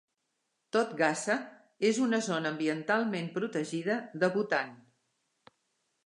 Tot Gasa és una zona ambientalment protegida de Bhutan.